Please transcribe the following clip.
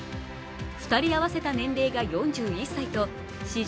２人合わせた年齢が４１歳と史上